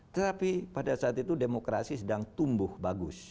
tetapi pada saat itu demokrasi sedang tumbuh bagus